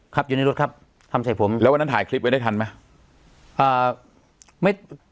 ครับอยู่ในรถครับทำใส่ผมแล้ววันนั้นถ่ายคลิปไว้ได้ทันไหมอ่าไม่